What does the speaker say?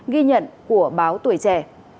ghi nhận của báo tuổi trẻ